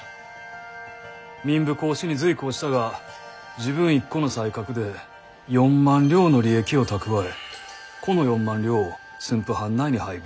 民部公子に随行したが自分一個の才覚で４万両の利益を蓄えこの４万両を駿府藩内に配分」。